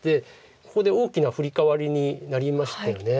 ここで大きなフリカワリになりましたよね。